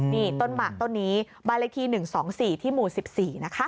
นี่ต้นหมาตรงนี้บาลิกรี๑๒๔ที่หมู่๑๔นะคะ